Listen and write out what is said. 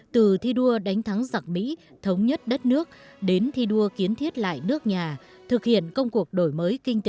từ thi đua đánh thắng giặc mỹ thống nhất đất nước đến thi đua kiến thiết lại nước nhà thực hiện công cuộc đổi mới kinh tế